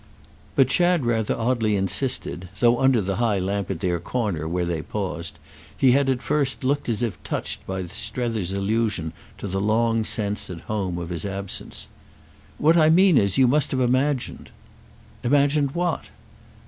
But Chad rather oddly insisted, though under the high lamp at their corner, where they paused, he had at first looked as if touched by Strether's allusion to the long sense, at home, of his absence. "What I mean is you must have imagined." "Imagined what?"